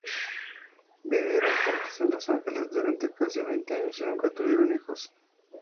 Vivieron juntos en Los Ángeles durante casi veinte años y nunca tuvieron hijos.